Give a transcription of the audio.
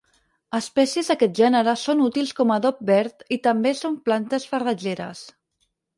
Espècies d'aquest gènere són útils com adob verd i també són plantes farratgeres.